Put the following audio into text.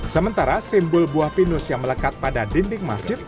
sementara simbol buah pinus yang melekat pada dinding masjid